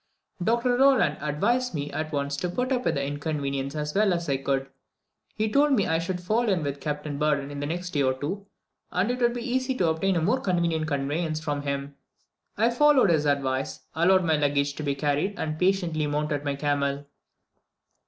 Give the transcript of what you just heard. Dr. Rolland advised me at once to put up with the inconvenience as well as I could. He told me that I should fall in with Captain Burdon in the next day or two, and it would be easy to obtain a more convenient conveyance from him. I followed his advice, allowed my luggage to be carried, and patiently mounted my camel.